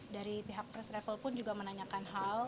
dari pihak first travel pun juga menanyakan hal